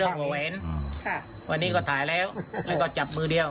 เรื่องบ่แหวนวันนี้ก็ถ่ายแล้วแล้วก็จับมือเดียว